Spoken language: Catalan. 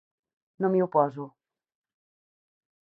No m'hi oposo.